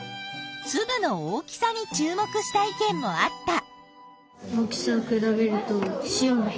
つぶの大きさに注目した意見もあった。